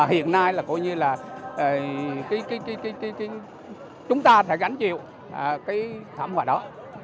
hiện nay chúng ta phải gánh chịu thảm họa đó